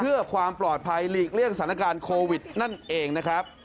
เพื่อความปลอดภัยหลีกเลี่ยงสถานการณ์โควิดนั่นเองนะครับ